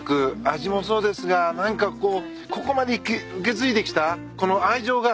味もそうですが何かこうここまで受け継いできたこの愛情が。